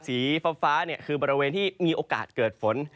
สีฟ้าคือบริเวณที่มีโอกาสเกิดฝน